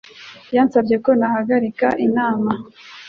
Yansabye ko nahagarika inama.